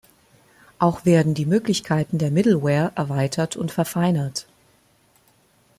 Auch werden die Möglichkeiten der Middleware erweitert und verfeinert.